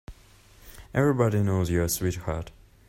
Everybody knows you're a sweetheart.